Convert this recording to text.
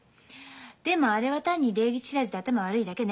でもあれは単に礼儀知らずで頭悪いだけね。